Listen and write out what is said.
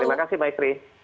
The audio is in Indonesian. terima kasih mbak isri